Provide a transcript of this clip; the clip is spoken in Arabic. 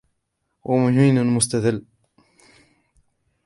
وَمَهِينٌ مُسْتَذَلٌّ